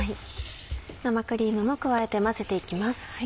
生クリームも加えて混ぜていきます。